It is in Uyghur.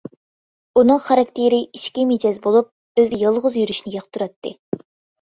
ئۇنىڭ خاراكتېرى ئىچكى مىجەز بولۇپ، ئۆزى يالغۇز يۈرۈشنى ياقتۇراتتى.